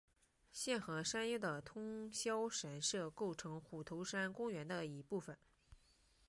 现和山腰的通霄神社构成虎头山公园一部分。